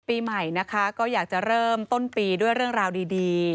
ปีใหม่นะคะก็อยากจะเริ่มต้นปีด้วยเรื่องราวดี